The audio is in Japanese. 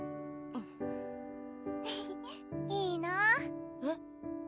うんいいなぁえっ？